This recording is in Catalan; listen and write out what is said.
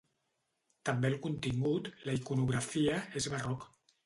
També el contingut, la iconografia, és barroc.